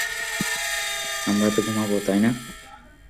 আমরা তো ঘুমাবো, তাই না?